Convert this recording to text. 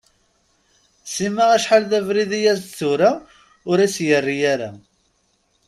Sima acḥal d abrid i as-d-tura ur as-yerri ara.